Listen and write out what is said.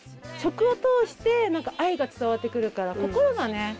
食を通して何か愛が伝わってくるから心がね